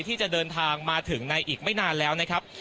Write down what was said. ที่จะเดินทางมาถึงในอีกไม่นานแล้วนะครับ